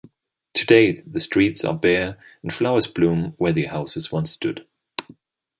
Today the streets are bare and flowers bloom where the houses once stood.